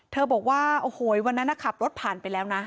บอกว่าโอ้โหวันนั้นขับรถผ่านไปแล้วนะ